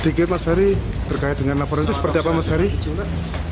sedikit mas ferry terkait dengan laporan itu seperti apa mas ferry